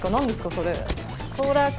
それ。